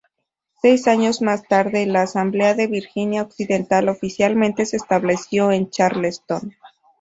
Seis años más tarde, la Asamblea de Virginia Occidental oficialmente se estableció en Charleston.